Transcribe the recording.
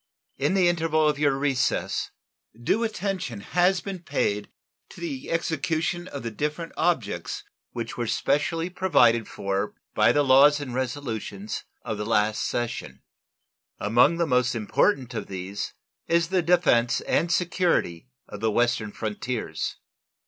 In the interval of your recess due attention has been paid to the execution of the different objects which were specially provided for by the laws and resolutions of the last session. Among the most important of these is the defense and security of the western frontiers.